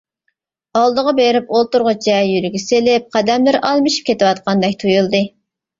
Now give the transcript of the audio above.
ئالدىغا بېرىپ ئولتۇرغۇچە يۈرىكى سېلىپ، قەدەملىرى ئالمىشىپ كېتىۋاتقاندەك تۇيۇلدى.